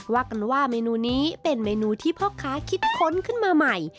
ว่ากันว่าเมนูนี้เป็นเมนูที่พ่อค้าคิดค้นขึ้นมาใหม่